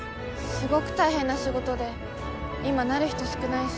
すごぐ大変な仕事で今なる人少ないし。